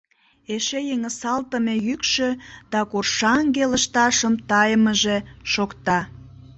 Эше йыҥысалтыме йӱкшӧ да коршаҥге лышташым тайымыже шокта.